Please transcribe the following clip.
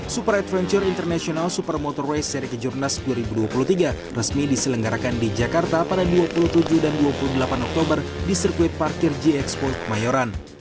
super adventure international super motor race seri kejurnas dua ribu dua puluh tiga resmi diselenggarakan di jakarta pada dua puluh tujuh dan dua puluh delapan oktober di sirkuit parkir g expo kemayoran